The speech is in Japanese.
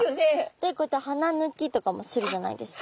でこうやって鼻抜きとかもするじゃないですか。